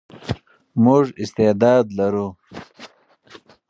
موږ استعداد لرو.